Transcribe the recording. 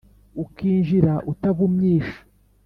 ukinjira utavumyisha